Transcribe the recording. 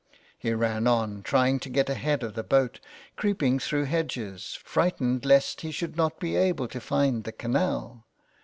He ran on, trying to get ahead of the boat, creeping through hedges, frightened lest he should not be able to find the canal